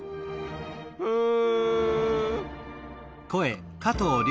うん。